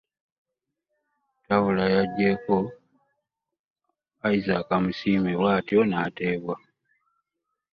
Tamubula yaggyeeko Isaac Musiima bw'atyo n'ateeba